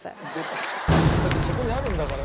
だってそこにあるんだから。